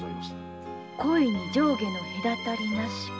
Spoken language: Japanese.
恋に上下のへだたりなし。